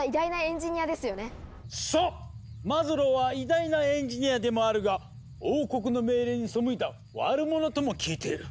マズローは偉大なエンジニアでもあるが王国の命令に背いた悪者とも聞いている。